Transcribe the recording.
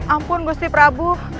ampun gusti prabu